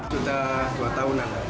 sudah dua tahunan